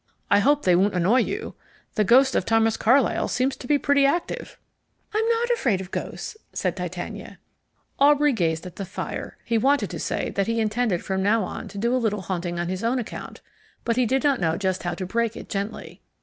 I hope they won't annoy you. The ghost of Thomas Carlyle seems to be pretty active." "I'm not afraid of ghosts," said Titania. Aubrey gazed at the fire. He wanted to say that he intended from now on to do a little haunting on his own account but he did not know just how to break it gently.